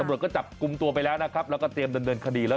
ตำรวจก็จับกลุ่มตัวไปแล้วนะครับแล้วก็เตรียมดำเนินคดีแล้ว